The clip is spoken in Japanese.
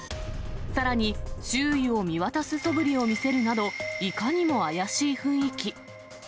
さらに、周囲を見渡すそぶりを見せるなど、いかにも怪しい雰囲気。